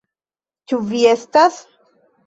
Ĉu vi estas?